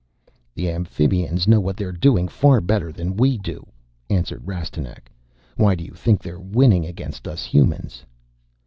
"The Amphibians know what they're doing far better than we do," answered Rastignac. "Why do you think they're winning against us Humans?"